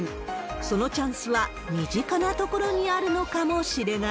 そのチャンスは身近なところにあるのかもしれない。